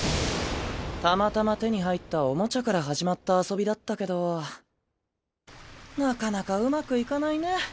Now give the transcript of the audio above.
たまたま手に入ったおもちゃから始まった遊びだったけどなかなかうまくいかないね。